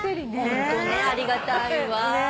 ホントねありがたいわ。